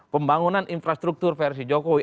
pembangunan infrastruktur versi jokowi